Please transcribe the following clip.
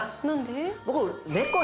何で？